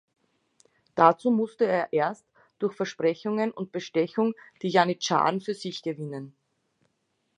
Dazu musste er erst durch Versprechungen und Bestechung die Janitscharen für sich gewinnen.